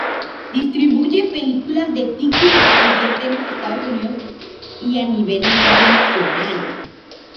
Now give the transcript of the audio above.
Distribuye películas de tipo independiente en los Estados Unidos y a nivel internacional.